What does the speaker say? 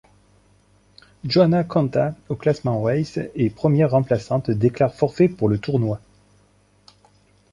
Johanna Konta, au classement Race et première remplaçante, déclare forfait pour le tournoi.